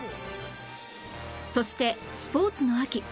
そしてスポーツの秋